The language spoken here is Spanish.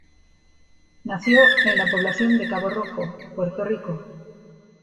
Nació en la población de Cabo Rojo, Puerto Rico.